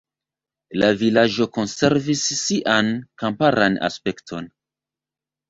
La vilaĝo konservis sian kamparan aspekton.